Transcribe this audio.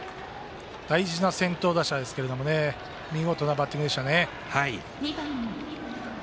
大事な先頭打者でしたが見事なバッティングでしたね。